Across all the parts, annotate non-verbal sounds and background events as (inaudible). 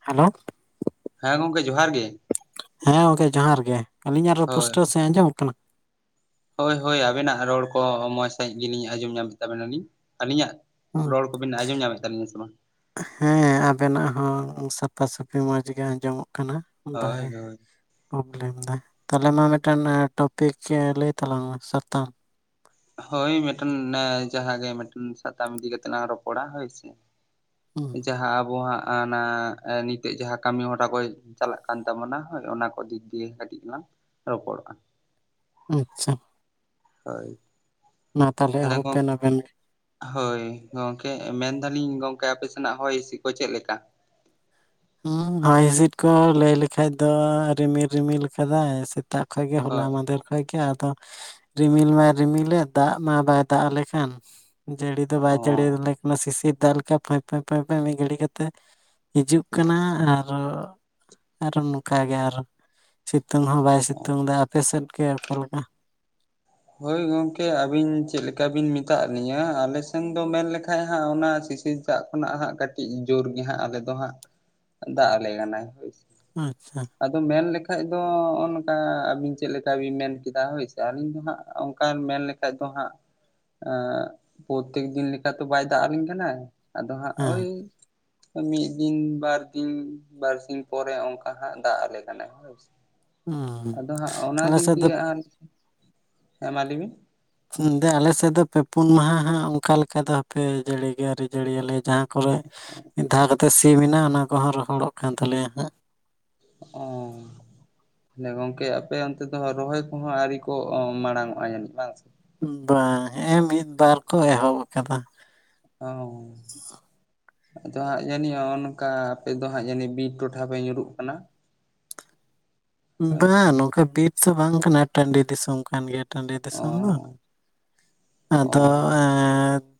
Hello. ᱦᱮᱸ ᱜᱚᱝᱠᱮ ᱡᱚᱦᱟᱨ ᱜᱮ᱾ ᱦᱮᱸ ᱜᱚᱢᱠᱮ ᱡᱚᱦᱟᱨ ᱜᱮ ᱟᱹᱞᱤᱧᱟᱜ ᱨᱚ ᱦᱳᱭ ᱯᱩᱥᱴᱟᱹᱣ ᱥᱟᱺᱦᱤᱡ ᱟᱸᱡᱚᱢᱚᱜ ᱠᱟᱱᱟ? ᱦᱳᱭ ᱦᱳᱭ ᱟᱵᱮᱱᱟᱜ ᱨᱚᱲ ᱠᱚ ᱢᱚᱡᱽ ᱥᱟᱺᱦᱤᱡ ᱜᱮᱞᱤᱧ ᱟᱸᱡᱚᱢ ᱧᱟᱢᱮᱫ ᱛᱟᱵᱮᱱᱟᱞᱤᱧ, ᱟᱹᱞᱤᱧᱟᱜ ᱦᱩᱸ, ᱨᱚᱲ ᱠᱚᱵᱤᱱ ᱟᱸᱡᱚᱢ ᱧᱟᱢᱮᱫ ᱛᱟᱹᱞᱤᱧᱟ ᱥᱮ ᱵᱟᱝ? ᱦᱮᱸ ᱟᱵᱮᱱᱟᱜ ᱦᱚᱸ ᱥᱟᱯᱷᱟ ᱥᱟᱹᱯᱷᱤ ᱢᱚᱸᱡᱽ ᱜᱮ ᱟᱸᱡᱚᱢᱚᱜ ᱠᱟᱱᱟ᱾ ᱦᱳᱭ ᱦᱳᱭ (unintelligible) ᱯᱨᱚᱵᱞᱮᱢᱫᱟ ᱛᱟᱦᱚᱞᱮ ᱢᱟ ᱢᱤᱫᱴᱟᱝ ᱴᱚᱯᱤᱠ ᱞᱟᱹᱭ ᱛᱟᱞᱟᱝ ᱢᱮ ᱥᱟᱛᱟᱢ᱾ ᱦᱳᱭ ᱢᱤᱫᱴᱮᱱ ᱡᱟᱦᱟᱸ ᱜᱮ ᱢᱤᱫᱴᱮᱱ ᱥᱟᱛᱟᱢ ᱤᱫᱤ ᱠᱟᱛᱮᱝ ᱨᱚᱯᱚᱲᱟ ᱦᱳᱭ ᱥᱮ᱾ ᱦᱩᱸ ᱡᱟᱦᱟᱸ ᱟᱵᱚᱣᱟ ᱦᱟᱸᱜ ᱚᱱᱟ ᱱᱤᱛᱚᱜ ᱡᱟᱦᱟᱸ ᱠᱟᱹᱢᱤ ᱦᱚᱨᱟ ᱠᱚ ᱪᱟᱞᱟᱜ ᱠᱟᱱ ᱛᱟᱵᱳᱱᱟ ᱦᱳᱭ ᱚᱱᱟ ᱠᱚ ᱫᱤᱠ ᱫᱤᱭᱮ ᱠᱟᱹᱴᱤᱡ ᱞᱟᱝ ᱨᱚᱯᱚᱲᱚᱜ-ᱟ ᱟᱪᱪᱷᱟ᱾ ᱦᱳᱭ᱾ ᱢᱟ ᱛᱟᱦᱞᱮ ᱛᱟᱦᱚᱞᱮ ᱮᱦᱚᱵ ᱜᱚᱝ ᱵᱮᱱ ᱟᱵᱮᱱ ᱜᱮ᱾ ᱦᱳᱭ ᱜᱚᱝᱠᱮ ᱢᱮᱱᱫᱟᱞᱤᱧ ᱜᱚᱝᱠᱮ ᱟᱯᱮ ᱥᱮᱱᱟᱜ ᱦᱚᱭ ᱦᱤᱸᱥᱤᱫ ᱠᱚ ᱪᱮᱫ ᱞᱮᱠᱟ? ᱦᱩᱸ ᱦᱚᱭ ᱦᱤᱥᱤᱫ ᱠᱚ ᱞᱟᱹᱭ ᱞᱮᱠᱷᱟᱡ ᱫᱚ ᱨᱤᱢᱤᱞ ᱨᱤᱢᱤᱞ ᱟᱠᱟᱫᱟᱭ ᱥᱮ ᱛᱟᱜ ᱠᱷᱚᱡ ᱜᱮ ᱦᱳᱞᱟ ᱦᱳᱭ ᱢᱟᱫᱮᱨ ᱠᱷᱚᱡ ᱜᱮ ᱟᱫᱚ ᱨᱤᱢᱤᱞ ᱢᱟᱭ ᱨᱤᱢᱤᱞᱮᱫ ᱫᱟᱜ ᱢᱟ ᱵᱟᱭ ᱫᱟᱜ ᱟᱞᱮ ᱠᱟᱱ᱾ ᱡᱟᱹᱲᱤ ᱫᱚ ᱵᱟᱭ ᱡᱟᱹᱲᱤ ᱚ ᱟᱞᱮ ᱠᱟᱱᱟ᱾ ᱥᱤᱥᱤᱨ ᱫᱟᱜ ᱞᱮᱠᱟᱹᱭ ᱯᱟᱹᱭ ᱞᱟᱹᱭ ᱢᱤᱫ ᱜᱷᱟᱹᱲᱤ ᱠᱟᱛᱮ ᱦᱤᱡᱩᱜ ᱠᱟᱱᱟ ᱟᱨ ᱟᱨᱚ ᱱᱚᱝ ᱠᱟ ᱜᱮ ᱟᱨᱚ ᱥᱤᱛᱩᱝ ᱦᱚᱸ ᱵᱟᱭ ᱥᱤᱛᱩᱝ ᱫᱟ ᱟᱯᱮᱥᱮᱫ ᱜᱮ ᱚᱠᱟ ᱞᱮᱠᱟ? ᱦᱳᱭ, ᱜᱚᱢᱠᱮ ᱟᱹᱵᱤᱱ ᱪᱮᱫ ᱞᱮᱠᱟ ᱵᱤᱱ ᱢᱮᱛᱟᱫ ᱞᱤᱧᱟᱹ᱾ ᱟᱞᱮ ᱥᱮᱱ ᱫᱚ ᱢᱮᱱ ᱞᱮᱠᱷᱟᱡ ᱦᱟᱸᱜ ᱚᱱᱟ ᱥᱤᱥᱤᱨ ᱥᱮᱛᱟᱜ ᱠᱷᱚᱱᱟᱜ ᱦᱟᱸᱜ ᱠᱟᱹᱴᱤᱡ ᱡᱳᱨ ᱜᱮ ᱦᱟᱜ, ᱟᱞᱮ ᱫᱚ ᱦᱟᱸᱜ ᱫᱟᱜ ᱟᱞᱮ ᱠᱟᱱᱟᱭ᱾ ᱟᱪᱪᱷᱟ᱾ ᱟᱫᱚ ᱢᱮᱱ ᱞᱮᱠᱷᱟᱡ ᱫᱚ ᱱᱚᱜ ᱱᱚᱝᱠᱟ ᱟᱵᱤᱱ ᱪᱮᱫ ᱞᱮᱠᱟᱹ ᱵᱤᱱ ᱢᱮᱱ ᱠᱮᱫᱟ? ᱦᱳᱭ ᱥᱮ ᱟᱹᱞᱤᱧ ᱫᱚ ᱦᱟᱸᱜ ᱚᱱᱠᱟ ᱢᱮᱱ ᱞᱮᱠᱷᱟᱹᱡ ᱫᱚ ᱦᱟᱸᱜ ᱯᱨᱚᱛᱮᱠ ᱫᱤᱱ ᱞᱮᱠᱟ ᱛᱚ, ᱵᱟᱭ ᱫᱟᱜ ᱟᱹᱞᱤᱧ ᱠᱟᱱᱟᱭ, ᱟᱫᱚ ᱦᱟᱸᱜ ᱦᱮᱸ ᱚᱭ ᱢᱤᱫ ᱫᱤᱱ ᱵᱟᱨ ᱫᱤᱱ ᱵᱟᱨᱥᱤᱧ ᱯᱚᱨᱮ, ᱚᱱᱠᱟ ᱦᱟᱸᱜ ᱫᱟᱜ ᱟᱞᱮ ᱠᱟᱱᱟᱭ᱾ ᱦᱩᱸ ᱟᱫᱚ ᱦᱟᱸᱜ ᱚᱱᱟ ᱟᱞᱮ ᱫᱤᱠ ᱥᱮᱫ ᱫᱚ ᱫᱤᱭᱮ ᱦᱮᱸ ᱢᱟ ᱞᱟᱹᱭ ᱵᱮᱱ ᱮ ᱟᱞᱮ ᱥᱮᱫ ᱫᱚ ᱯᱮ ᱯᱩᱱ ᱢᱟᱦᱟ ᱦᱟᱸᱜ, ᱚᱱᱠᱟ ᱞᱮᱠᱟ ᱫᱚ ᱦᱟᱯᱮ ᱡᱟᱹᱲᱤ ᱟᱹᱣᱨᱤ ᱡᱟᱹᱲᱤ ᱭᱟᱞᱮ ᱡᱟᱦᱟᱸ ᱠᱚᱨᱮ ᱢᱤᱫ ᱫᱷᱟᱣ ᱠᱟᱛᱮ ᱥᱤ ᱢᱮᱱᱟᱜᱼᱟ, ᱚᱱᱟ ᱠᱚᱦᱚᱸ ᱨᱚᱦᱚᱲᱚᱜ ᱠᱟᱱ ᱛᱟᱞᱮᱭᱟ ᱦᱟᱸᱜ᱾ ᱚᱸᱻ ᱦᱚᱸ ᱜᱚᱝᱠᱮ ᱟᱯᱮ ᱚᱱᱛᱮ ᱫᱚ ᱨᱚᱦᱚᱭ ᱠᱚᱦᱚᱸ ᱟᱹᱣᱨᱤ ᱠᱚ ᱢᱟᱲᱟᱝᱚᱜᱼᱟ ᱡᱟᱹᱱᱤᱡ ᱵᱟᱝ ᱥᱮ? ᱵᱟᱝ ᱱᱮᱜ ᱮ ᱢᱤᱫ ᱵᱟᱨ ᱠᱚ ᱮᱦᱚᱵ ᱟᱠᱟᱫᱟ᱾ ᱚᱸ᱾ ᱟᱫᱚ ᱦᱟᱸᱜ ᱡᱟᱹᱱᱤᱡ ᱱᱚᱜᱚ ᱱᱚᱝᱠᱟ ᱟᱯᱮ ᱫᱚ ᱦᱟᱸᱜ ᱡᱟᱹᱱᱤᱡ ᱵᱤᱨ ᱴᱚᱴᱷᱟ ᱯᱮ ᱧᱩᱨᱩᱜ ᱠᱟᱱᱟ? ᱦᱳᱭ ᱵᱟᱝ ᱥᱮ ᱱᱚᱝᱠᱟ ᱵᱤᱨ ᱫᱚ ᱵᱟᱝ ᱠᱟᱱᱟ, ᱴᱟᱺᱰᱤ ᱫᱤᱥᱚᱢ ᱠᱟᱱ ᱜᱮᱭᱟ ᱴᱟᱺᱰᱤ ᱚ ᱫᱤᱥᱚᱢ ᱫᱚ, ᱟᱫᱚ ᱚ ᱮ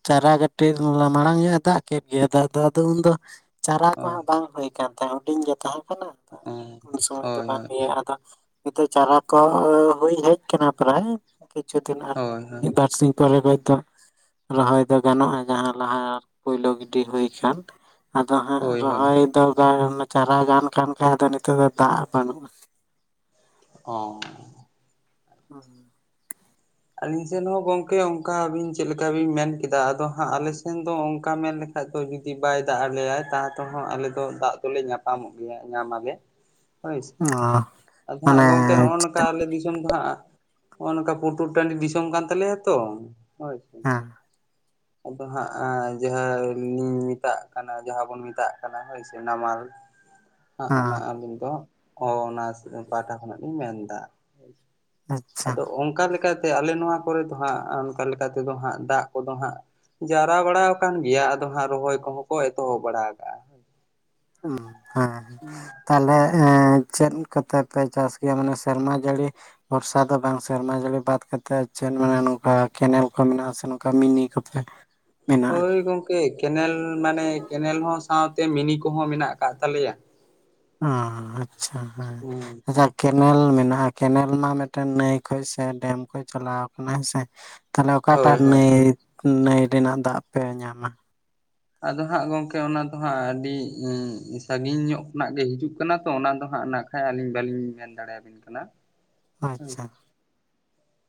ᱪᱟᱨᱟ ᱴᱤᱡᱽ ᱢᱟᱲᱟᱝ ᱧᱚᱜ ᱮ ᱫᱟᱜ ᱠᱮᱫ ᱜᱮᱭᱟ, ᱫᱟᱜ ᱟᱫᱚ ᱩᱱᱫᱚ ᱪᱟᱨᱟ ᱠᱚ ᱦᱳᱭ ᱦᱟᱸᱜ ᱵᱟᱝ ᱦᱩᱭ ᱟᱠᱟᱱ ᱦᱩᱰᱤᱧ ᱜᱮ ᱛᱟᱦᱮᱸ ᱠᱟᱱᱟ ᱚ ᱩᱱ ᱥᱚᱢᱚᱭ ᱫᱚ ᱦᱳᱭ ᱵᱟᱝ ᱦᱳᱭ ᱟᱫᱚ ᱱᱤᱛᱚᱜ ᱪᱟᱨᱟ ᱠᱚ ᱦᱩᱭ ᱦᱮᱡ ᱟᱠᱟᱱᱟ, ᱯᱨᱟᱭ ᱠᱤᱪᱷᱩ ᱫᱤᱱ ᱟᱨ ᱦᱳᱭ ᱦᱳᱭ ᱢᱤᱫ ᱵᱟᱨ ᱥᱤᱧ ᱠᱚᱨᱮ ᱠᱷᱚᱡ ᱫᱚ ᱨᱚᱦᱚᱭ ᱫᱚ ᱜᱟᱱᱚᱜᱼᱟ᱾ ᱡᱟᱦᱟᱸ ᱞᱟᱦᱟ ᱯᱳᱭᱞᱳ ᱜᱤᱰᱤ ᱦᱩᱭ ᱠᱟᱱ᱾ ᱟᱫᱚ ᱦᱟᱸᱜ ᱦᱳᱭ ᱦᱳᱭ ᱨᱚᱦᱚᱭ ᱫᱚ ᱪᱟᱨᱟ ᱜᱟᱱ ᱠᱟᱱ ᱠᱷᱟᱱ ᱱᱤᱛᱚᱜ ᱫᱚ ᱫᱟᱜ ᱵᱟᱹᱱᱩᱜᱼᱟ᱾ ᱚᱻ᱾ (unintelligible) ᱟᱹᱞᱤᱧ ᱥᱮᱱ ᱦᱚᱸ ᱜᱚᱝᱠᱮ ᱚᱝᱠᱟ ᱟᱹᱵᱤᱱ ᱪᱮᱫ ᱞᱮᱠᱟ ᱵᱤᱱ ᱢᱮᱱ ᱠᱮᱫᱟ᱾ ᱟᱫᱚ ᱦᱟᱸᱜ ᱟᱞᱮ ᱥᱮᱱ ᱫᱚ ᱚᱝᱠᱟ ᱢᱮᱱ ᱞᱮ ᱠᱷᱟᱡ ᱫᱚ ᱡᱩᱫᱤ ᱵᱟᱭ ᱫᱟᱜ ᱟᱞᱮᱭᱟᱭ ᱛᱟᱣ ᱛᱮᱦᱚᱸ ᱟᱞᱮᱫᱚ ᱫᱟᱜ ᱫᱚᱞᱮ ᱧᱟᱯᱟᱢᱚᱜ ᱜᱮᱭᱟ ᱧᱟᱢᱟᱞᱮ᱾ (unintelligible) ᱦᱳᱭ ᱥᱮ ᱚ ᱟᱫᱚ ᱢᱟᱱᱮ ᱦᱟᱸᱜ ᱜᱚᱢᱠᱮ ᱱᱚᱜᱼᱚᱭ ᱱᱚᱝᱠᱟ ᱟᱞᱮ ᱫᱤᱥᱚᱢ ᱫᱚ ᱦᱟᱸᱜ ᱱᱚᱜᱼᱚᱭ ᱱᱚᱝᱠᱟ ᱯᱳ ᱴᱩᱨ ᱴᱟᱺᱰᱤ ᱫᱤᱥᱚᱢ ᱠᱟᱱ ᱛᱟᱞᱮᱭᱟ ᱛᱚ, ᱦᱳᱭ᱾ ᱦᱮᱸ᱾ ᱟᱫᱚ ᱦᱟᱸᱜ ᱟᱸ ᱡᱟᱦᱟᱸᱞᱤᱧ ᱢᱮᱛᱟᱜ ᱠᱟᱱᱟ, ᱡᱟᱦᱟᱸ ᱵᱚᱱ ᱢᱮᱛᱟᱜ ᱠᱟᱱᱟ ᱦᱳᱭ ᱥᱮ ᱱᱟᱢᱟᱞ᱾ ᱦᱟᱸᱜ ᱚᱱᱟ ᱦᱮᱸ ᱟᱹᱞᱤᱧ ᱫᱚ ᱚ ᱚᱱᱟ ᱯᱟᱦᱴᱟ ᱠᱷᱚᱱᱟᱜ ᱞᱤᱧ ᱢᱮᱱ ᱫᱟ᱾ ᱟᱪᱪᱷᱟ ᱟᱫᱚ ᱚᱝᱠᱟ ᱞᱮᱠᱟ ᱛᱮ, ᱟᱞᱮ ᱱᱚᱣᱟ ᱠᱚᱨᱮ ᱫᱚ ᱦᱟᱸᱜ ᱚᱝᱠᱟ ᱞᱮᱠᱟ ᱛᱮᱫᱚ ᱦᱟᱸᱜ ᱫᱟᱜ ᱠᱚᱫᱚ ᱦᱟᱸᱜ ᱡᱟᱣᱨᱟ ᱵᱟᱲᱟᱣ ᱠᱟᱱ ᱜᱮᱭᱟ᱾ ᱟᱫᱚ ᱦᱟᱸᱜ ᱨᱚᱦᱚᱭ ᱠᱚᱦᱚᱸ ᱠᱚ ᱮᱛᱚᱦᱚᱵ ᱵᱟᱲᱟ ᱠᱟᱜᱼᱟ᱾ ᱩᱸ ᱦᱮᱸ, ᱛᱟᱞᱦᱮ ᱮᱸ ᱪᱮᱫ ᱠᱟᱛᱮ ᱯᱮ ᱪᱟᱥ ᱜᱮᱭᱟ, ᱢᱟᱱᱮ ᱥᱮᱨᱢᱟ ᱡᱟᱹᱲᱤ ᱵᱚᱨᱥᱟ ᱫᱚ ᱵᱟᱝ ᱥᱮᱨᱢᱟ ᱡᱟᱹᱲᱤ ᱵᱟᱫ ᱠᱟᱛᱮᱜ ᱪᱮᱫ ᱢᱟᱱᱮ ᱱᱚᱝᱠᱟ ᱠᱮᱱᱮᱞ ᱠᱚ ᱢᱮᱱᱟᱜᱼᱟ, ᱥᱮ ᱱᱚᱝᱠᱟ ᱢᱤᱱᱤ ᱠᱚᱛᱮ? (unintelligible) ᱦᱳᱭ ᱜᱚᱝᱠᱮ, ᱠᱮᱱᱮᱞ ᱢᱟᱱᱮ ᱠᱮᱱᱮᱞ ᱦᱚᱸ ᱥᱟᱶᱛᱮ ᱢᱤᱱᱤ ᱠᱚᱦᱚᱸ ᱢᱮᱱᱟᱜ ᱠᱟᱜ ᱛᱟᱞᱮᱭᱟ᱾ ᱚ ᱟᱪᱪᱷᱟ, ᱦᱮᱸ ᱦᱩᱸ ᱟᱪᱪᱷᱟ ᱠᱮᱱᱮᱞ ᱢᱮᱱᱟᱜᱼᱟ, ᱠᱮᱱᱮᱞ ᱢᱟ ᱢᱤᱫᱴᱮᱱ ᱱᱟᱹᱭ ᱠᱷᱚᱡ ᱥᱮ ᱰᱮᱢ ᱠᱷᱚᱱ ᱪᱟᱞᱟᱣ ᱠᱟᱱᱟ ᱦᱮᱸᱥᱮ? ᱛᱟᱦᱚᱞᱮ ᱦᱳᱭ ᱚᱠᱟᱴᱟᱜ ᱦᱳᱭ ᱱᱟᱹᱭ ᱱᱟᱹᱭ ᱨᱮᱱᱟᱜ ᱫᱟᱜ ᱯᱮ ᱧᱟᱢᱟ? ᱟᱫᱚ ᱦᱟᱸᱜ ᱜᱚᱝᱠᱮ ᱚᱱᱟ ᱫᱚ ᱦᱟᱸᱜ ᱟᱹᱰᱤ ᱥᱟᱺᱜᱤᱧ ᱧᱚᱜ ᱠᱷᱚᱱᱟᱜ ᱜᱮ ᱦᱤᱡᱩᱜ ᱠᱟᱱᱟ ᱛᱚ, ᱚᱱᱟ ᱫᱚ ᱦᱟᱸᱜ ᱱᱟ ᱦᱮᱸ ᱟᱹᱞᱤᱧ ᱵᱟᱹᱞᱤᱧ ᱢᱮᱱ ᱫᱟᱲᱮᱭᱟᱵᱤᱱ ᱠᱟᱱᱟ᱾ ᱦᱳᱭ ᱟᱪᱪᱷᱟ ᱾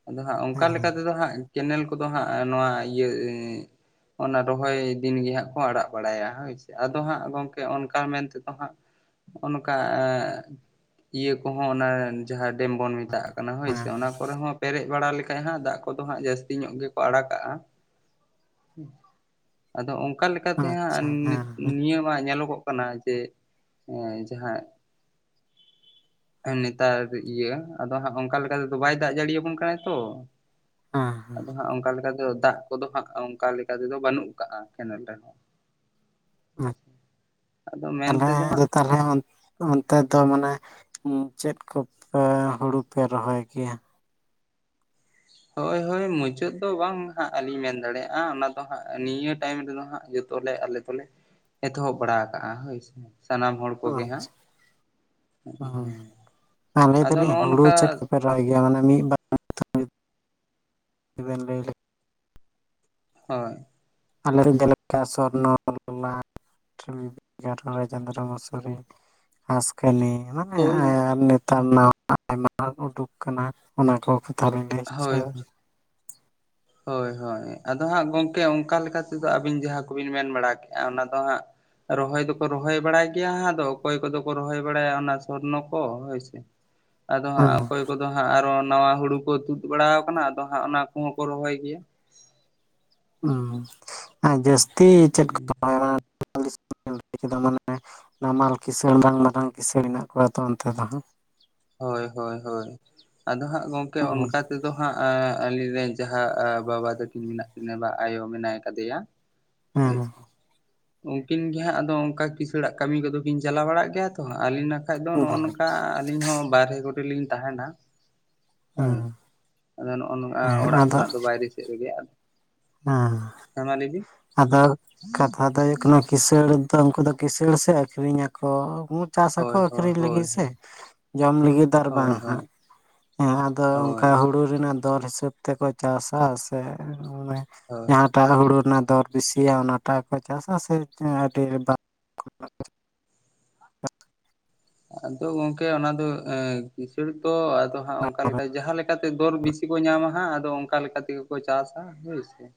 ᱟᱫᱚ ᱦᱟᱸᱜ ᱚᱝᱠᱟ ᱞᱮᱠᱟ ᱛᱮᱫᱚ ᱦᱟᱸᱜ ᱠᱮᱱᱮᱞ ᱠᱚᱫᱚ ᱦᱟᱸᱜ ᱱᱚᱣᱟ ᱤᱭᱟᱹ ᱚᱱᱟ ᱨᱚᱦᱚᱭ ᱫᱤᱱ ᱜᱮ ᱦᱟᱸᱜ ᱠᱚ ᱟᱲᱟᱜ ᱵᱟᱲᱟᱭᱟ ᱦᱳᱭᱥᱮ ᱟᱫᱚ ᱦᱟᱸᱜ ᱜᱚᱝᱠᱮ ᱚᱱᱠᱟ ᱢᱮᱱ ᱛᱮᱫᱚ ᱦᱟᱸᱜ ᱚᱱᱠᱟ ᱟ ᱤᱭᱟᱹ ᱠᱚᱦᱚᱸ ᱚᱱᱟ ᱡᱟᱦᱟᱸ ᱰᱮᱢ ᱵᱚᱱ ᱢᱮᱛᱟᱜᱼᱟ ᱾ ᱠᱟᱱᱟ ᱦᱳᱭᱥᱮ ᱦᱮᱸ ᱚᱱᱟ ᱠᱚᱨᱮ ᱦᱚᱸ ᱯᱮᱨᱮᱡ ᱵᱟᱲᱟ ᱞᱮᱠᱷᱟᱡ ᱦᱟᱸᱜ ᱫᱟᱜ ᱠᱚᱫᱚ ᱦᱟᱸᱜ ᱡᱟᱹᱥᱛᱤ ᱧᱚᱜ ᱜᱮᱠᱚ ᱟᱲᱟᱜᱼᱟ ᱾ ᱟᱫᱚ ᱚᱝᱠᱟ ᱟᱪᱪᱷᱟ ᱞᱮᱠᱟᱛᱮᱦᱟᱸᱜ ᱱᱤᱛ ᱦᱮᱸ ᱦᱮᱸ ᱱᱤᱭᱟᱹ ᱱᱚᱣᱟ ᱧᱮᱞᱚᱜᱚᱜ ᱠᱟᱱᱟ ᱡᱮ ᱦᱮᱸ ᱡᱟᱦᱟᱸᱭ (unintelligible) ᱮᱸ ᱱᱮᱛᱟᱨ ᱤᱭᱟᱹ ᱟᱫᱚ ᱦᱟᱸᱜ ᱚᱱᱠᱟ ᱞᱮᱠᱟ ᱛᱮᱫᱚ ᱵᱟᱭ ᱫᱟᱜ ᱡᱟᱹᱲᱤᱭᱟᱵᱚᱱ ᱠᱟᱱᱟ ᱛᱚ ᱾ ᱦᱮᱸ ᱟᱫᱚ ᱦᱮᱸ ᱦᱟᱸᱜ ᱚᱱᱠᱟ ᱞᱮᱠᱟ ᱫᱚ ᱫᱟᱜ ᱠᱚᱫᱚ ᱦᱟᱸᱜ ᱚᱝᱠᱟ ᱞᱮᱠᱟ ᱛᱮᱫᱚ ᱵᱟᱹᱱᱩᱜ ᱠᱟᱜᱼᱟ ᱠᱮᱱᱮᱞ ᱨᱮᱦᱚᱸ ᱾ ᱟᱪᱷᱟ ᱟᱫᱚ ᱢᱮᱱ ᱛᱮᱫᱚ ᱦᱟᱸᱜ ᱛᱟᱦᱮᱸ ᱚᱱ ᱚᱱᱛᱮ ᱫᱚ ᱢᱟᱱᱮ ᱦᱮᱸ ᱪᱮᱫ ᱠᱚ ᱯᱮ ᱦᱳᱲᱳ ᱯᱮ ᱨᱚᱦᱚᱭ ᱠᱮᱭᱟ? ᱦᱳᱭ ᱦᱳᱭ ᱢᱩᱪᱟᱹᱫ ᱫᱚ ᱵᱟᱝ ᱦᱟᱸᱜ ᱟᱹᱞᱤᱧ ᱢᱮᱱ ᱫᱟᱲᱮᱭᱟᱜᱼᱟ ᱚᱱᱟ ᱫᱚ ᱦᱟᱸᱜ ᱱᱤᱭᱟᱹ ᱴᱟᱹᱭᱤᱢ ᱨᱮᱫᱚ ᱦᱟᱸᱜ ᱡᱚᱛ ᱛᱚᱞᱮ ᱟᱞᱮ ᱫᱚᱞᱮ ᱮᱛᱚᱦᱚᱵ ᱵᱟᱲᱟ ᱟᱠᱟᱟᱜᱼᱟ ᱦᱳᱭᱥᱮ ᱥᱟᱱᱟᱢ ᱦᱚᱲ ᱠᱚᱜᱮ ᱦᱟᱸᱜ, ᱟᱪᱪᱷᱟ ᱦᱮᱸ ᱟᱫᱚ ᱱᱚᱜᱼᱚ ᱱᱚᱝᱠᱟ ᱯᱷᱮᱨᱟᱭ ᱜᱮᱭᱟ ᱢᱟᱱᱮ (inaudible) ᱞᱮᱭ ᱞᱮᱜ ᱦᱚᱭ ᱾ ᱟᱞᱮ ᱨᱤᱱ ᱫᱮᱞᱮᱯᱴᱟ ᱥᱚᱨᱱᱚ (inaudible) ᱪᱚᱱᱫᱨᱚ ᱢᱚᱥᱚᱨᱤ ᱦᱟᱥᱠᱮᱱᱤ ᱦᱟᱸ ᱦᱳᱭ (unintelligible) ᱱᱮᱛᱟᱨ ᱱᱟ ᱟᱭᱢᱟ ᱩᱰᱩᱠ ᱠᱟᱱᱟ ᱚᱱᱟ ᱠᱚ ᱛᱟᱞ ᱦᱳᱭ (unintelligible) ᱦᱳᱭ ᱦᱳᱭ ᱟᱫᱚ ᱦᱟᱸᱜ ᱜᱚᱢᱠᱮ ᱚᱱᱠᱟ ᱞᱮᱠᱟ ᱛᱮᱫᱚ ᱟᱹᱵᱤᱱ ᱡᱟᱦᱟᱸ ᱠᱚᱵᱤᱱ ᱢᱮᱱ ᱵᱟᱲᱟ ᱠᱮᱫᱼᱟ ᱚᱱᱟ ᱫᱚ ᱦᱟᱸᱜ ᱨᱚᱦᱚᱭ ᱫᱚᱠᱚ ᱨᱚᱦᱚᱭ ᱵᱟᱲᱟᱭ ᱜᱮᱭᱟ ᱦᱟᱸᱜ ᱟᱫᱚ ᱚᱠᱚᱭ ᱠᱚᱫᱚ ᱠᱚ ᱨᱚᱦᱚᱭ ᱵᱟᱲᱟᱭᱟ ᱚᱱᱟ ᱥᱚᱨᱱᱚ ᱠᱚ ᱦᱳᱭᱥᱮ ᱟᱫᱚ ᱦᱟᱸᱜ ᱦᱚᱪᱚᱭᱮᱫᱟ ᱚᱠᱚᱭ ᱠᱚᱫᱚ ᱦᱟᱸᱜ ᱟᱨᱚ ᱱᱟᱣᱟ ᱦᱩᱲᱩ ᱠᱚ ᱛᱩᱫ ᱵᱟᱲᱟᱣ ᱠᱟᱱᱟ ᱟᱫᱚ ᱦᱟᱸᱜ ᱚᱱᱟ ᱠᱚᱸᱦᱚᱸ ᱠᱚ ᱨᱚᱦᱚᱭ ᱜᱮᱭᱟ ᱟᱨ ᱡᱟᱹᱥᱛᱤ ᱪᱮᱫ ᱠᱚ? (inaudible) ᱟᱹᱛᱩ ᱫᱤᱥᱚᱢ ᱞᱟᱹᱭ ᱠᱮᱫᱟ ᱢᱟᱱᱮ ᱱᱟᱢᱟᱞ ᱠᱤᱸᱤᱥᱟᱺᱬ ᱵᱟᱝ ᱢᱟᱨᱟᱝ ᱠᱤᱸᱥᱟᱺᱬ ᱦᱮᱱᱟᱜ ᱠᱚᱣᱟ ᱛᱚ ᱚᱱᱛᱮ ᱫᱚᱦᱟᱸᱜ ᱾ ᱦᱳᱭ ᱦᱳᱭ ᱦᱳᱭ ᱟᱫᱚ ᱦᱟᱸᱜ ᱜᱚᱢᱠᱮ ᱦᱩᱸ ᱚᱱᱠᱟ ᱛᱮ ᱟᱫᱚ ᱦᱟᱸᱜ ᱮᱸ ᱟᱞᱤᱧᱨᱮ ᱡᱟᱦᱟᱸ ᱵᱟᱵᱟ ᱛᱟᱹᱠᱤᱱ ᱢᱮᱱᱟᱜ ᱠᱤᱱᱟᱹ ᱵᱟ ᱟᱭᱳ ᱢᱮᱱᱟᱭ ᱠᱟᱫᱮᱭᱟ ᱾ ᱦᱚᱭᱥᱮ ᱦᱩᱸ ᱾ ᱩᱱᱠᱤᱱ ᱜᱮ ᱦᱟᱸᱜ ᱟᱫᱚ ᱚᱱᱠᱟ ᱠᱤᱥᱟᱹᱲᱟᱜ ᱠᱟᱹᱢᱤ ᱠᱚᱫᱚ ᱠᱤᱱ ᱪᱟᱞᱟᱣ ᱵᱟᱲᱟᱜ ᱜᱮᱭᱟ ᱛᱚ ᱟᱹᱞᱤᱧᱱᱟᱜ ᱵᱟᱠᱷᱟᱡ ᱫᱚ ᱱᱚᱜᱼᱚ ᱱᱚᱝᱠᱟ ᱟᱹᱞᱤᱧ ᱦᱚᱸ ᱵᱟᱨᱭᱮ ᱠᱚᱨᱮ ᱞᱤᱧ ᱛᱟᱦᱮᱸᱱᱟ ᱾ ᱦᱳᱭ, ᱦᱩᱸ ᱟᱫᱚ ᱱᱚᱜᱼᱚ ᱱᱚᱣᱟ ᱦᱮᱸ ᱚᱲᱟᱜ ᱟᱫᱚ ᱠᱷᱚᱱᱟᱜ ᱫᱚ ᱵᱟᱭᱨᱮ ᱥᱮᱫ ᱨᱮᱜᱮᱭᱟ ᱾ ᱦᱮᱸ ᱟᱫᱚ ᱠᱟᱛᱷᱟ ᱫᱚ ᱦᱩᱭᱩᱜ ᱠᱟᱱᱟ ᱠᱤᱸᱤᱥᱟᱺᱬ ᱫᱚ ᱩᱱᱠᱩ ᱫᱚ ᱠᱤᱸᱟᱺᱬ ᱥᱮ ᱟᱹᱠᱷᱨᱤᱧᱟᱠᱚ ᱩᱛ ᱪᱟᱥᱟᱠᱚ ᱦᱳᱭ ᱦᱳᱭ ᱟᱹᱠᱷᱨᱤᱧ ᱦᱳᱭ ᱞᱟᱹᱜᱤᱫ ᱥᱮ ᱡᱚᱢ ᱞᱟᱹᱜᱤᱫ ᱫᱚ ᱟᱨ ᱦᱳᱭ ᱵᱟᱝ ᱦᱳᱭ ᱦᱟᱸᱜ ᱾ ᱦᱮᱸ ᱟᱫᱚ ᱦᱳᱭ ᱚᱱᱠᱟ ᱦᱩᱲᱩ ᱨᱮᱱᱟᱜ ᱫᱚᱨ ᱦᱤᱥᱟᱹᱵ ᱛᱮᱠᱚ ᱪᱟᱥᱟ ᱥᱮ ᱚᱱᱟ ᱦᱳᱭ ᱮᱴᱟᱜᱟᱜ ᱦᱩᱲᱩ ᱨᱮᱱᱟᱜ ᱫᱚᱨ ᱵᱮᱥᱤᱭᱟ ᱚᱱᱟᱴᱟᱜ ᱠᱚ ᱪᱟᱥᱟ ᱥᱮ ᱟᱹᱰᱤ (inaudible) ᱾ ᱟᱫᱚ ᱜᱚᱝᱠᱮ ᱚᱱᱟ ᱫᱚ ᱮᱸ ᱠᱤᱥᱟᱺᱬ ᱫᱚ ᱟᱫᱚ ᱦᱟᱸᱜ ᱚᱱᱠᱟ ᱞᱮᱠᱟ ᱡᱟᱦᱟᱸᱞᱮ ᱪᱮᱠᱟᱛᱮ ᱫᱚᱨ ᱵᱤᱥᱤ ᱠᱚ ᱧᱟᱢᱟ ᱦᱟᱸᱜ ᱟᱫᱚ ᱚᱱᱠᱟ ᱞᱮᱠᱟ ᱛᱮᱜᱮ ᱠᱚ ᱪᱟᱥᱟ ᱦᱳᱭᱥᱮ ᱾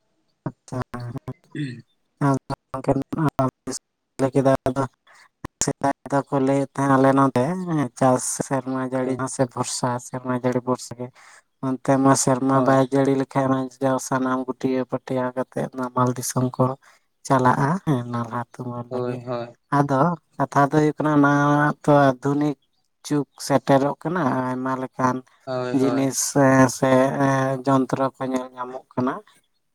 (unintelligible) (inaudible) ᱞᱟᱹᱭ ᱠᱮᱫᱟ ᱟᱫᱚ ᱥᱮᱫᱟᱭ ᱫᱚᱠᱚ ᱞᱟᱹᱭᱮᱫ ᱛᱟᱦᱮᱸᱱ ᱟᱞᱮ ᱱᱚᱰᱮ ᱪᱟᱥ ᱨᱮ ᱥᱮᱨᱢᱟ ᱡᱟᱹᱲᱤ ᱦᱳᱭ ᱢᱟᱥᱮ ᱵᱷᱚᱨᱥᱟ ᱥᱮᱨᱢᱟ ᱡᱟᱹᱲᱤ ᱵᱷᱚᱨᱥᱟ ᱜᱮ ᱚᱱᱛᱮ ᱢᱟ ᱥᱮᱨᱢᱟ ᱦᱳᱭ ᱵᱟᱭ ᱡᱟᱹᱲᱤ ᱞᱮᱫ ᱾ ᱜᱷᱟᱨᱚᱸᱡᱽ ᱫᱚ ᱥᱟᱱᱟᱢ ᱜᱩᱴᱭᱟᱹ ᱯᱟᱹᱴᱭᱟ ᱠᱟᱛᱮᱜ ᱱᱟᱢᱟᱞ ᱫᱤᱥᱚᱢ ᱠᱚ ᱪᱟᱞᱟᱜᱼᱟ ᱾ ᱦᱮᱸ ᱱᱟᱞᱦᱟ ᱛᱩᱢᱟᱹᱞ ᱦᱳᱭ ᱞᱟᱹᱜᱤᱫ ᱟᱫᱚ ᱠᱟᱛᱷᱟ ᱫᱚ ᱦᱩᱭᱩᱜ ᱠᱟᱱᱟ ᱱᱟᱦ ᱛᱚ ᱟᱫᱷᱩᱱᱤᱠ ᱡᱩᱜᱽ ᱥᱮᱴᱮᱨᱚᱜ ᱠᱟᱱᱟ ᱟᱭᱢᱟ ᱞᱮᱠᱟᱱ ᱦᱳᱭ ᱦᱳᱭ ᱾ ᱡᱤᱱᱤᱥ ᱥᱮ - ᱥᱮ ᱮᱸ ᱡᱚᱱᱛᱨᱚ ᱠᱚ ᱧᱮᱞ ᱧᱟᱢᱚᱜ ᱠᱟᱱᱟ ᱾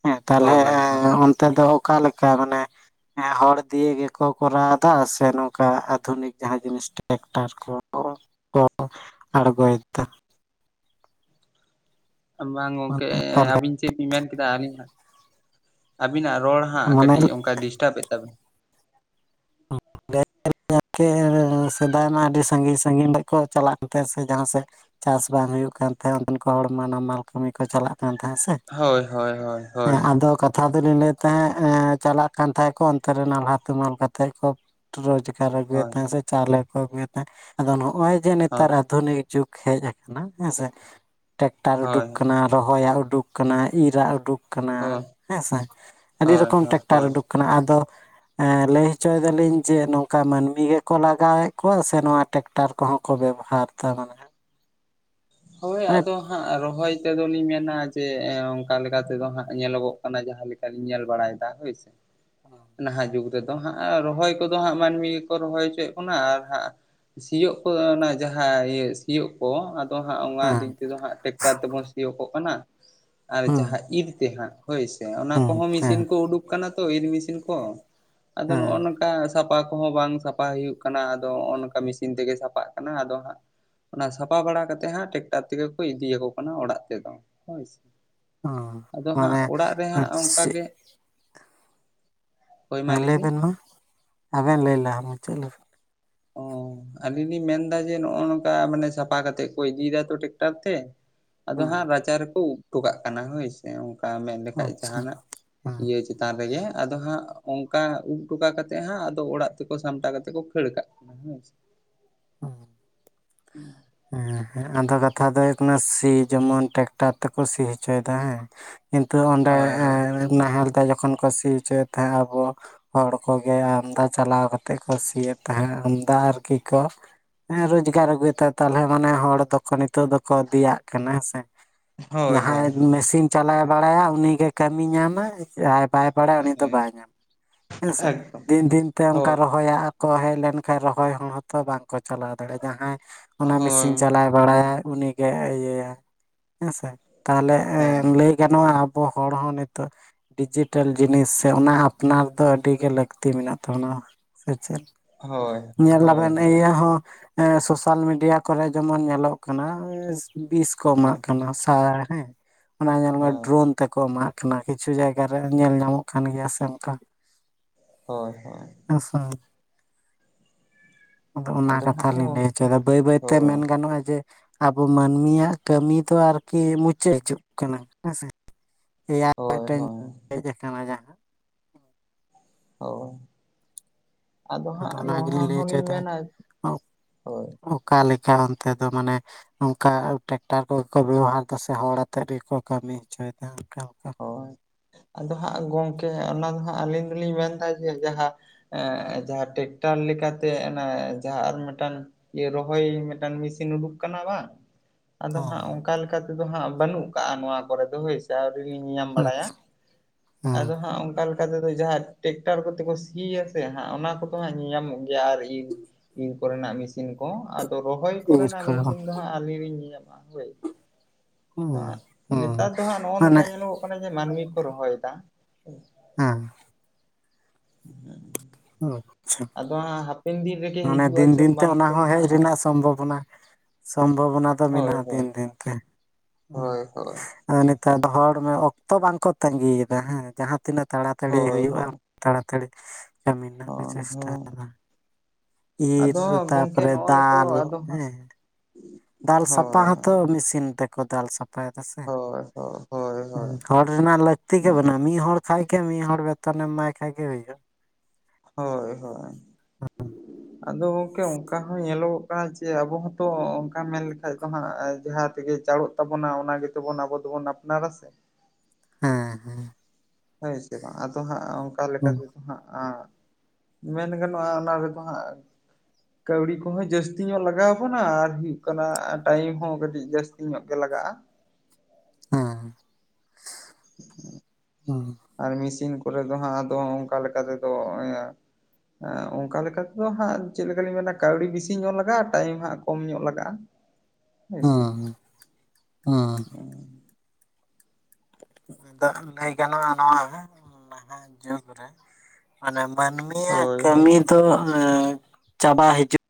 ᱦᱮᱸ ᱛᱟᱞᱦᱮ ᱦᱳᱭ ᱦᱳᱭ ᱚᱱᱛᱮ ᱫᱚ ᱚᱠᱟᱞᱮᱠᱟ ᱢᱟᱱᱮ ᱮᱸ ᱦᱚᱲ ᱫᱤᱭᱮ ᱜᱮᱠᱚ ᱠᱚᱨᱟᱣ ᱫᱟ ᱥᱮ ᱱᱚᱝᱠᱟ ᱟᱫᱷᱩᱱᱤᱠ ᱡᱟᱦᱟᱸ ᱡᱤᱱᱤᱥ ᱴᱨᱮᱠᱴᱟᱨ ᱠᱚ? ᱠᱚ ᱟᱲᱜᱚᱭᱮᱫᱟ ᱵᱟᱝ ᱜᱚᱝᱠᱮ ᱢᱟᱱᱮ ᱚᱠᱟ ᱞᱮᱠᱟ ᱟᱹᱵᱤᱱ ᱪᱮᱫ ᱵᱤᱱ ᱢᱮᱱ ᱠᱮᱫᱟ ᱟᱞᱤᱧ ᱦᱟᱸᱜ ᱟᱹᱵᱤᱱᱟᱜ ᱨᱚᱲ ᱦᱟᱸᱜ ᱢᱟᱱᱮ ᱠᱟᱹᱴᱤᱡ ᱚᱱᱠᱟ ᱰᱤᱥᱴᱟᱯᱮᱫ ᱛᱟᱵᱮᱱᱟ (inaudible) ᱡᱟᱛᱮ ᱥᱮᱫᱟᱭ ᱢᱟ ᱟᱹᱰᱤ ᱥᱟᱺᱜᱤᱧ ᱥᱟᱺᱜᱤᱧ ᱛᱮᱠᱚ ᱪᱟᱞᱟᱜ ᱛᱮ ᱥᱮ ᱡᱟᱦᱟᱸ ᱥᱮᱫ ᱪᱟᱥ ᱵᱟᱝ ᱦᱩᱭᱩᱜ ᱠᱟᱱ ᱛᱟᱦᱮᱸᱫ ᱚᱱᱛᱮᱱ ᱠᱚ ᱦᱚᱲᱢᱟ ᱱᱟᱢᱟᱞ ᱠᱟᱹᱢᱤ ᱠᱚ ᱪᱟᱞᱟᱜ ᱠᱟᱱ ᱛᱟᱦᱮᱸᱫ ᱥᱮ ᱦᱳᱭ ᱦᱳᱭ ᱦᱳᱭ ᱦᱳᱭ ᱛᱷᱟ ᱫᱚᱞᱤᱧ ᱞᱟᱹᱭᱮᱫ ᱛᱟᱦᱮᱸᱫ ᱮᱸ ᱪᱟᱞᱟᱜ ᱠᱟᱱ ᱛᱟᱦᱮᱸᱜ ᱠᱚ ᱚᱱᱛᱮ ᱨᱮ ᱱᱟᱞᱦᱟ ᱛᱩᱢᱟᱹᱞ ᱠᱟᱛᱮᱜ ᱠᱚ ᱴᱨᱳᱡᱽᱜᱟᱨ ᱟᱹᱜᱩᱭᱮᱫ ᱦᱳᱭ ᱛᱟᱦᱮᱸ ᱥᱮ ᱪᱟᱣᱞᱮ ᱠᱚ ᱟᱹᱜᱩᱭᱮᱫ ᱛᱟᱦᱮᱸ ᱟᱫᱚ ᱱᱚᱜ-ᱚᱭ ᱡᱮ ᱦᱳᱭ ᱱᱮᱛᱟᱨ ᱟᱫᱷᱩᱱᱤᱠ ᱡᱩᱜᱽ ᱦᱮᱡ ᱟᱠᱟᱱᱟ ᱦᱮᱸ ᱥᱮ ᱴᱮᱠᱴᱟᱨ ᱦᱳᱭ ᱩᱰᱩᱠ ᱠᱟᱱᱟ ᱨᱚᱦᱚᱭᱟᱜ ᱩᱰᱩᱠ ᱠᱟᱱᱟ ᱤᱨᱟᱜ ᱩᱰᱩᱠ ᱠᱟᱱᱟ ᱦᱳᱭ ᱦᱮᱸᱥᱮ ᱟᱹᱰᱤ ᱦᱳᱭ ᱨᱚᱠᱚᱢ ᱦᱳᱭ ᱴᱮᱠᱴᱟᱨ ᱦᱳᱭ ᱩᱰᱩᱠ ᱠᱟᱱᱟ ᱟᱫᱚ ᱮ ᱞᱟᱹᱭ ᱦᱚᱪᱚᱭ ᱫᱟᱞᱤᱧ ᱪᱮᱫ ᱱᱚᱝᱠᱟ ᱢᱟᱹᱱᱢᱤ ᱜᱮᱠᱚ ᱞᱟᱜᱟᱣᱮᱜ ᱠᱚᱣᱟ ᱥᱮ ᱱᱚᱣᱟ ᱴᱮᱠᱴᱟᱨ ᱠᱚᱦᱚᱸ ᱠᱚ ᱵᱮᱵᱦᱟᱨ ᱫᱟ᱾ ᱦᱳᱭ ᱦᱮᱸ ᱦᱮᱸ ᱟᱫᱚ ᱦᱟᱸᱜ ᱨᱚᱦᱚᱭ ᱛᱮᱫᱚ ᱞᱤᱧ ᱢᱮᱱᱟ ᱡᱮ ᱚᱱᱠᱟ ᱞᱮᱠᱟ ᱛᱮᱫᱚ ᱦᱟᱸᱜ ᱧᱮᱞᱚᱜᱚᱜ ᱠᱟᱱᱟ ᱡᱟᱦᱟᱸ ᱞᱮᱠᱟ ᱞᱤᱧ ᱧᱮᱞ ᱵᱟᱲᱟᱭᱮᱫᱟ ᱦᱳᱭ ᱥᱮ᱾ ᱱᱟᱦᱟᱜ ᱡᱩᱜᱽ ᱛᱮᱫᱚ ᱦᱟᱸᱜ ᱨᱚᱦᱚᱭ ᱠᱚᱫᱚ ᱦᱟᱸᱜ ᱢᱟᱱᱢᱤ ᱜᱮᱠᱚ ᱨᱚᱦᱚᱭ ᱦᱚᱪᱚᱭᱮᱫ ᱵᱚᱱᱟ ᱟᱨ ᱦᱟᱸᱜ ᱥᱤᱭᱳᱜ ᱠᱚᱫᱚ ᱚᱱᱟ ᱡᱟᱦᱟᱸ ᱤᱭᱟᱹ ᱥᱤᱭᱳᱜ ᱠᱚ᱾ ᱚ ᱦᱟᱸᱜ ᱚᱸᱣᱟ ᱫᱤᱜ ᱛᱮᱫᱚ ᱦᱟᱸᱜ ᱴᱮᱠᱴᱟᱨ ᱛᱮᱵᱚᱱ ᱥᱤᱭᱳᱠᱚᱜ ᱠᱟᱱᱟ ᱟᱨ ᱦᱮᱸ ᱡᱟᱦᱟᱸ ᱤᱨ ᱛᱮ ᱦᱟᱸᱜ᱾ ᱦᱳᱭ ᱥᱮ ᱚᱱᱟ ᱦᱮᱸ ᱠᱚᱦᱚᱸ ᱦᱮᱸ ᱢᱤᱥᱤᱱ ᱠᱚ ᱩᱰᱩᱠ ᱠᱟᱱᱟ ᱛᱚ ᱤᱨ ᱢᱤᱥᱤᱱ ᱠᱚ᱾ ᱟᱫᱚ ᱱᱚᱜ-ᱚ ᱦᱮᱸ ᱱᱟ ᱚᱱᱠᱟ ᱥᱟᱯᱟ ᱠᱚᱦᱚᱸ ᱵᱟᱝ ᱥᱟᱯᱟ ᱦᱩᱭᱩᱜ ᱠᱟᱱᱟ᱾ ᱟᱫᱚ ᱦᱚᱜ-ᱚ ᱱᱚᱠᱟ ᱢᱤᱥᱤᱱ ᱛᱮᱜᱮ ᱥᱟᱯᱟᱜ ᱠᱟᱱᱟ ᱟᱫᱚ ᱦᱟᱸᱜ ᱚᱱᱟ ᱥᱟᱯᱟ ᱵᱟᱲᱟ ᱠᱟᱛᱮ ᱦᱟᱸᱜ ᱴᱮᱠᱴᱟᱨ ᱛᱮᱜᱮ ᱠᱚ ᱤᱫᱤᱭᱟᱠᱚ ᱠᱟᱱᱟ ᱚᱲᱟᱜ ᱛᱮᱫᱚ ᱦᱳᱭ ᱥᱮ᱾ ᱦᱮᱸ ᱟᱫᱚ ᱦᱟᱸᱜ ᱢᱟᱱᱮ ᱚᱲᱟᱜ ᱨᱮᱦᱟᱸᱜ ᱚᱱᱠᱟ ᱥᱤ ᱜᱮ ᱦᱳᱭ ᱢᱟ ᱦᱮᱸ ᱞᱟᱹᱭ ᱵᱤᱱ ᱵᱮᱱ ᱢᱟ᱾ ᱟᱵᱮᱱ ᱞᱟᱹᱭ ᱞᱟᱦᱟ ᱢᱩᱪᱟᱹ ᱞᱮᱵᱮᱱ᱾ ᱚ᱾ ᱟᱞᱤᱧ ᱞᱤᱧ ᱢᱮᱱᱫᱟ ᱡᱮ ᱱᱚᱜ-ᱚ ᱱᱚᱠᱟ ᱢᱟᱱᱮ ᱥᱟᱯᱟ ᱠᱟᱛᱮᱜ ᱠᱚ ᱤᱫᱤᱭᱮᱫᱟ ᱛᱚ ᱴᱮᱠᱴᱟᱨ ᱛᱮ᱾ ᱟᱫᱚ ᱦᱟᱸᱜ ᱨᱟᱪᱟ ᱨᱮᱠᱚ ᱩᱵ ᱴᱚᱠᱟᱜ ᱠᱟᱱᱟ ᱦᱳᱭ ᱥᱮ ᱚᱱᱠᱟ ᱢᱮᱜ ᱞᱮᱠᱷᱟᱡ ᱟᱪᱪᱷᱟ ᱡᱟᱦᱟᱱᱟᱜ ᱦᱮᱸ ᱤᱭᱟᱹ ᱪᱮ ᱛᱟᱱ ᱨᱮᱜᱮ ᱟᱫᱚ ᱦᱟᱸᱜ ᱚᱱᱠᱟ ᱩᱵ ᱴᱚᱠᱟ ᱠᱟᱛᱮᱜ ᱦᱟᱸᱜ ᱟᱫᱚ ᱚᱲᱟᱜ ᱛᱮᱠᱚ ᱥᱟᱢᱴᱟᱣ ᱠᱟᱛᱮ ᱠᱚ ᱠᱷᱟᱹᱲ ᱠᱟᱜ ᱦᱳᱭ ᱥᱮ᱾ (unintelligible) (inaudible) ᱮᱸ ᱦᱮᱸ ᱟᱫᱚ ᱠᱟᱛᱷᱟ ᱫᱚ ᱦᱩᱭᱩᱜ ᱠᱟᱱᱟ ᱥᱤ ᱡᱮᱢᱚᱱ ᱴᱮᱠᱴᱟᱨ ᱛᱮᱠᱚ ᱥᱤ ᱦᱚᱪᱚᱭᱮᱫᱟ ᱦᱮᱸ᱾ ᱠᱤᱱᱛᱩ ᱚᱸᱰᱮ ᱦᱳᱭ ᱮ ᱱᱟᱦᱮᱞ ᱛᱮ ᱡᱚᱠᱷᱚᱱ ᱠᱚ ᱥᱤ ᱦᱚᱪᱚᱭᱮᱫ ᱛᱟᱦᱮᱜ ᱟᱵᱚ ᱦᱚᱲ ᱠᱚᱜᱮ ᱟᱢᱫᱟ ᱪᱟᱞᱟᱣ ᱠᱟᱛᱮᱜ ᱠᱚ ᱥᱤᱭᱮᱫ ᱛᱟᱦᱮᱸ᱾ ᱟᱢᱫᱟ ᱟᱨᱠᱤ ᱠᱚ ᱦᱮᱸ ᱨᱳᱡᱽᱜᱟᱨ ᱟᱜᱩᱭᱮᱫ ᱛᱟᱦᱮᱸᱫ ᱛᱟᱞᱦᱮ ᱢᱟᱱᱮ ᱦᱚᱲ ᱫᱚᱠᱚ ᱱᱤᱛᱚᱜ ᱫᱚᱠᱚ ᱫᱮᱭᱟᱜ ᱠᱟᱱᱟ ᱦᱮᱸ ᱥᱮ᱾ ᱦᱳᱭ ᱦᱳᱭ ᱞᱟᱦᱟᱭ ᱦᱳᱭ ᱢᱮᱥᱤᱱ ᱪᱟᱞᱟᱣᱮ ᱵᱟᱲᱟᱭᱟ ᱩᱱᱤᱜᱮ ᱠᱟᱢᱤ ᱧᱟᱢᱟᱭ ᱟᱨ ᱵᱟᱭ ᱵᱟᱲᱟᱭᱟ ᱩᱱᱤ ᱫᱚ ᱦᱳᱭ ᱵᱟᱭ ᱧᱟᱢᱟ ᱦᱮᱸᱥᱮ᱾ ᱮᱠᱫᱚᱢ ᱫᱤᱱ ᱫᱤᱱᱛᱮ ᱚᱱᱠᱟ ᱦᱳᱭ ᱨᱚ ᱦᱚᱭᱟᱜ ᱟᱠᱚ ᱦᱮᱡ ᱞᱮᱱᱠᱷᱟᱡ ᱨᱚᱦᱚᱭ ᱦᱚᱲ ᱦᱚᱸᱛᱚ ᱵᱟᱝᱠᱚ ᱪᱟᱞᱟᱣ ᱫᱟᱲᱮᱭᱟᱜ-ᱟ᱾ ᱡᱟᱦᱟᱸᱭ ᱚᱱᱟ ᱢᱮᱥᱤᱱ ᱦᱳᱭ ᱪᱟᱞᱟᱣᱮ ᱵᱟᱲᱟᱭᱟᱭ ᱩᱱᱤᱜᱮ ᱤᱭᱟᱹ ᱦᱮᱸ ᱥᱮ ᱛᱟᱦᱟᱞᱮ ᱮᱢ ᱦᱮᱸ ᱞᱟᱹᱭ ᱜᱟᱱᱚᱜ-ᱟ ᱟᱵᱚ ᱦᱚᱲ ᱦᱚᱸ ᱱᱤᱛᱚᱜ ᱰᱤᱡᱤᱴᱮᱞ ᱡᱤᱱᱤᱥ ᱥᱮ ᱚᱱᱟ ᱦᱚᱸ ᱟᱯᱱᱟᱨ ᱫᱚ ᱟᱹᱰᱤᱜᱮ ᱞᱟᱹᱠᱛᱤ ᱢᱮᱱᱟᱜ ᱛᱟᱵᱚᱱᱟ ᱥᱮ ᱪᱮᱫ? ᱦᱳᱭ ᱦᱳᱭ ᱧᱮᱞᱟᱵᱮᱱ ᱦᱳᱭ ᱤᱭᱟᱹ ᱦᱚᱸ ᱮᱸ ᱥᱳᱥᱟᱞ ᱢᱤᱰ ᱨᱤᱭᱟ ᱠᱚᱨᱮ ᱡᱮᱢᱚᱱ ᱧᱮᱞᱚᱜ ᱠᱟᱱᱟ ᱵᱤᱥ ᱠᱚ ᱮᱢᱟᱜ ᱦᱚᱸ ᱠᱟᱱᱟ ᱥᱟ ᱦᱮᱸ᱾ ᱚᱱᱟ ᱧᱮᱞ ᱢᱮ ᱦᱳᱭ ᱰᱨᱳᱱ ᱛᱮᱠᱚ ᱮᱢᱟᱜ ᱠᱟᱱᱟ᱾ ᱠᱤᱪᱷᱩ ᱡᱟᱭᱜᱟ ᱨᱮ ᱧᱮᱞ ᱧᱟᱢᱚᱜ ᱠᱟᱱ ᱜᱮᱭᱟ ᱥᱮ ᱚᱱᱠᱟ᱾ ᱦᱳᱭ ᱦᱳᱭ᱾ ᱦᱮᱸᱥᱮ ᱟᱫᱚ ᱚᱱᱟ ᱠᱟᱛᱷᱟ ᱦᱟᱸᱜ ᱞᱤᱧ ᱦᱳᱭ ᱞᱟᱹᱭ ᱦᱚᱪᱚᱭᱮᱫᱟ᱾ ᱵᱟᱹᱭ ᱵᱟᱹᱭ ᱛᱮ ᱢᱮᱱ ᱜᱟ ᱦᱳᱭ ᱜᱟᱱᱚᱜ-ᱟ ᱡᱮ ᱟᱵᱚ ᱢᱟᱱᱢᱤᱭᱟᱜ ᱠᱟᱹᱢᱤ ᱫᱚ ᱟᱨᱠᱤ ᱢᱩᱪᱟᱹᱫ ᱦᱤᱡᱩᱜ ᱠᱟᱱᱟ ᱦᱮᱸᱥᱮ᱾ ᱮ ᱟᱭ ᱦᱳᱭ ᱢᱤᱫᱴᱮᱱ ᱦᱮᱡ ᱟᱠᱟᱱᱟ ᱡᱟᱦᱟᱸ᱾ ᱚ ᱟᱫᱚ ᱦᱟᱸᱜ ᱚᱱᱟ ᱱᱚᱣᱟ ᱜᱮᱞᱤᱧ ᱞᱟᱹᱭ ᱦᱚᱞᱤᱧ ᱦᱚᱪᱚᱭᱮᱫᱟ ᱢᱮᱱᱟ ᱦᱳᱭ᱾ ᱚᱠᱟ ᱞᱮᱠᱟ ᱚᱱᱛᱮ ᱫᱚ ᱢᱟᱱᱮ ᱚᱱᱠᱟ ᱴᱮᱠᱴᱟᱨ ᱠᱚᱜᱮ ᱠᱚ ᱵᱮᱵᱚᱦᱟᱨᱫᱟ ᱥᱮ ᱦᱚᱲ ᱟᱛᱮᱜ ᱨᱮᱜᱮ ᱠᱚ ᱠᱟᱹᱢᱤ ᱦᱚᱪᱚᱭᱮᱫᱟ ᱚᱱᱠᱟ ᱚᱱᱠᱟ ᱞᱮᱠᱟ᱾ ᱦᱳᱭ (inaudible) ᱟᱫᱚ ᱦᱟᱸᱜ ᱜᱚᱢᱠᱮ ᱚᱱᱟ ᱫᱚ ᱦᱟᱸᱜ ᱟᱹᱞᱤᱧ ᱫᱚᱞᱤᱧ ᱢᱮᱱᱫᱟ ᱡᱮ ᱡᱟᱦᱟᱸ ᱮᱜ ᱡᱟᱦᱟᱸ ᱴᱮᱠᱴᱟᱨ ᱞᱮᱠᱟᱛᱮ ᱚᱱᱟ ᱡᱟᱦᱟᱸ ᱟᱨ ᱢᱮᱴᱟᱱ ᱡᱮ ᱨᱚᱦᱚᱭ ᱢᱤᱫᱴᱟᱝ ᱢᱮᱥᱤᱱ ᱩᱰᱩᱠ ᱟᱠᱟᱱᱟ ᱵᱟᱝ᱾ ᱟᱫᱚ ᱦᱟᱸᱜ ᱚᱱᱠᱟ ᱞᱮᱠᱟ ᱛᱮᱫᱚ ᱦᱟᱸᱜ ᱵᱟᱹᱱᱩᱜ ᱠᱟᱜ-ᱟ ᱱᱚᱣᱟ ᱠᱚᱨᱮ ᱫᱚ ᱦᱳᱭ ᱥᱮ ᱟᱨ (unintelligible) ᱧᱟᱢ ᱦᱮᱸ ᱟᱪᱪᱷᱟ ᱵᱟᱲᱟᱭᱟ ᱟᱫᱚ ᱦᱟᱸᱜ ᱚᱱᱠᱟ ᱞᱮᱠ ᱞᱮᱠᱟᱛᱮᱫᱚ ᱡᱟᱦᱟᱸ ᱴᱮᱠᱴᱟᱨ ᱠᱚᱛᱮ ᱠᱚ ᱥᱤᱭᱟ ᱥᱮ ᱦᱟᱸᱜ ᱚᱱᱟ ᱠᱚᱫᱚ ᱦᱟᱸᱜ ᱧᱮᱞ ᱧᱟᱢᱚᱜ ᱜᱮᱭᱟ᱾ ᱟᱨ ᱤᱨ ᱤᱨ ᱠᱚᱨᱮᱱᱟᱜ ᱢᱮᱥᱤᱱ ᱠᱚ ᱟᱫᱚ ᱨᱚᱦᱚᱭ ᱦᱮᱸ ᱤᱨ ᱠᱚᱨᱮᱱᱟᱜ ᱠᱚ ᱢᱮᱥᱤᱱ ᱫᱚ ᱦᱟᱸᱜᱼᱼ ᱟᱹᱞᱤᱧ ᱞᱤᱧ ᱧᱟ ᱦᱳᱭ ᱦᱮᱸ ᱦᱮᱸ ᱱᱮᱛᱟᱨ ᱫᱚ ᱦᱟᱸᱜ ᱱᱚᱜᱼᱚ ᱱᱚᱝᱠᱟᱼᱼ ᱢᱟᱱᱮ ᱟᱧᱡᱚᱢᱚᱜ ᱠᱟᱱᱟ ᱡᱮ ᱢᱟᱹᱱᱢᱤ ᱠᱚ ᱨᱚᱦᱚᱭᱮᱫᱟ᱾ ᱦᱮᱸ᱾ ᱦᱮᱸ᱾ ᱚ ᱚᱪᱪᱷᱟ᱾ ᱟᱫᱚ ᱦᱟᱯᱮᱱ ᱫᱤᱱᱼᱼ ᱢᱟᱱᱮ ᱫᱤᱱ ᱫᱤᱱᱛᱮ ᱚᱱᱟ ᱦᱚᱸ ᱦᱮᱡ ᱨᱮᱱᱟᱜ ᱥᱚᱢᱵᱷᱚᱵᱚᱱᱟᱼᱼ ᱥᱚᱢᱵᱷᱚᱵᱚᱱᱟ ᱫᱚ ᱦᱳᱭ ᱢᱮᱱᱟᱜᱼᱟ ᱦᱳᱭ ᱫᱤᱱ ᱫᱤᱱᱛᱮ ᱦᱩ ᱦᱳᱭ ᱦᱳᱭ ᱟᱫᱚᱼᱼ ᱛᱟᱭᱚᱢ ᱦᱚᱲ ᱚᱠᱛᱚ ᱵᱟᱝᱠᱚ ᱛᱟᱸᱜᱤᱭᱮᱫᱟ ᱦᱮᱸ ᱡᱟᱦᱟᱸ ᱛᱤᱱᱟᱹᱜ ᱛᱟᱲᱟᱛᱟᱹᱲᱤ ᱦᱳᱭ ᱦᱳᱭ ᱦᱩᱭᱩᱜᱼᱟ᱾ ᱛᱟᱲᱟᱛᱟᱲᱤ ᱠᱟᱹᱢᱤ ᱨᱮᱱᱟᱜ ᱠᱚ ᱦᱳᱭ ᱦᱳᱭ ᱪᱮᱥᱴᱟᱭᱟᱼᱼ ᱤᱨ ᱟᱫᱚ ᱜᱚᱝᱠᱮ ᱛᱟᱯᱚᱨᱮ ᱱᱚᱜᱼᱚᱭ ᱛᱚ ᱫᱟᱞ ᱟᱫᱚ ᱦᱟᱸᱜ ᱦᱮᱸᱼᱼ ᱫᱟᱞ ᱥᱟᱯᱷᱟ ᱦᱳᱭ ᱦᱚᱸᱛᱚ ᱢᱮᱥᱤᱱ ᱛᱮᱠᱚ ᱫᱟᱞ ᱥᱟᱯᱷᱟᱭᱮᱫᱟ ᱥᱮ ᱦᱳᱭ ᱦᱳᱭ ᱦᱳᱭ ᱦᱩ ᱦᱳᱭ ᱦᱚᱲ ᱼᱼ ᱨᱮᱱᱟᱜ ᱞᱟᱹᱠᱛᱤ ᱜᱮ ᱵᱟᱹᱱᱩᱜ ᱢᱤᱫ ᱦᱚᱲ ᱠᱷᱟᱭᱜᱮ ᱢᱤᱫ ᱦᱚᱲ ᱵᱮᱛᱚᱱᱮ ᱮᱢᱟᱭ ᱠᱷᱟᱭ ᱜᱮ ᱦᱩᱭᱩᱜᱼᱟ᱾ ᱦᱳᱭ ᱦᱳᱭ᱾ ᱦᱩᱸ ᱟᱫᱚ ᱜᱚᱝᱠᱮ ᱚᱱᱠᱟ ᱦᱚᱸ ᱧᱮᱞᱚᱜᱚᱜ ᱠᱟᱱᱟ ᱡᱮ ᱟᱵᱚ ᱦᱚᱸᱛᱚ ᱚᱱᱠᱟ ᱢᱮᱱ ᱞᱮᱠᱷᱟᱡ ᱫᱚ ᱦᱟᱸᱜ ᱡᱟᱦᱟᱸ ᱛᱮᱜᱮ ᱪᱟᱲᱚᱼᱼ ᱛᱟᱵᱚᱱᱟ ᱚᱱᱟᱜᱮᱛᱚᱵᱚᱱ ᱟᱵᱚ ᱫᱚᱵᱚᱱ ᱟᱯᱱᱟᱨᱟ ᱥᱮ᱾ ᱦᱮᱸ ᱦᱮᱸ᱾ ᱦᱳᱭ ᱥᱮ ᱵᱟᱝ ᱟᱫᱚ ᱦᱟᱸᱜ ᱚᱱᱠᱟ ᱞᱮᱠᱟᱛᱮᱼᱼ ᱦᱟᱸᱜ ᱟᱨ ᱢᱮᱱ ᱜᱟᱱᱚᱜᱼᱟ ᱚᱱᱟ ᱨᱮᱫᱚ ᱦᱟᱸᱜᱼᱼ ᱠᱟᱹᱣᱰᱤ ᱠᱚᱦᱚᱸ ᱡᱟᱹᱥᱛᱤ ᱧᱚᱜ ᱞᱟᱜᱟᱣ ᱵᱚᱱᱟ ᱟᱨᱳ ᱠᱟᱱᱟ ᱴᱟᱭᱤᱢ ᱦᱚᱸ ᱠᱟᱹᱴᱤᱡ ᱡᱟᱹᱥᱛᱤ ᱧᱚᱜ ᱜᱮ ᱞᱟᱜᱟᱜᱼᱟ᱾ ᱦᱮᱸ ᱦᱮᱸ᱾ ᱟᱨ ᱢᱮᱥᱤᱱ ᱠᱚᱨᱮ ᱫᱚ ᱦᱟᱸᱜ ᱟᱫᱚ ᱚᱱᱠᱟ ᱞᱮᱠᱟ ᱛᱮᱫᱚᱼᱼ ᱦᱮᱸ ᱚᱱᱠᱟ ᱞᱮᱠᱟ ᱛᱮᱫᱚ ᱦᱟᱸᱜ ᱪᱮᱫ ᱚᱱᱠᱟ ᱞᱮᱠᱟᱞᱤᱧ ᱢᱮᱱᱟ ᱠᱟᱹᱣᱰᱤ ᱵᱤᱥᱤ ᱧᱚᱜ ᱞᱟᱜᱟᱜᱼᱟ ᱴᱟᱭᱤᱢ ᱦᱟᱸᱜ ᱠᱚᱢ ᱧᱚᱜ ᱞᱟᱜᱟᱜᱼᱟ᱾ ᱦᱳᱭ ᱦᱩ ᱥᱮ ᱦᱩ ᱦᱩ᱾ ᱫᱟᱜ ᱞᱟᱹᱭ ᱜᱟᱱᱚᱜᱼᱟ ᱱᱚᱣᱟ ᱱᱟᱦᱟᱜ ᱡᱩᱜᱽ ᱨᱮᱼᱼ ᱢᱟᱱᱮ ᱢᱟᱹᱱᱢᱤᱭᱟᱜ ᱦᱳᱭ ᱦᱳᱭ ᱠᱟᱹᱢᱤ ᱫᱚ ᱪᱟᱵᱟ ᱦᱤᱡᱩᱜᱼᱼ